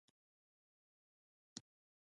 د لغمان په مهترلام کې د قیمتي ډبرو نښې دي.